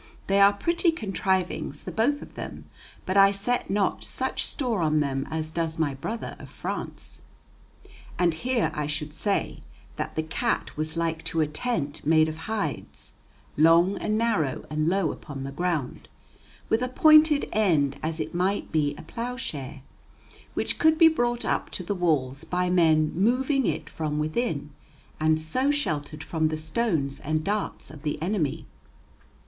They are pretty contrivings the both of them, but I set not such store on them as does my brother of France." And here I should say that the cat was like to a tent made of hides long and narrow and low upon the ground, with a pointed end as it might be a ploughshare, which could be brought up to the walls by men moving it from within, and so sheltered from the stones and darts of the enemy.